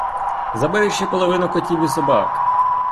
Забери ще половину котів та собак!